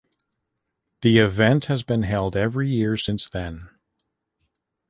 The event has been held every year since then.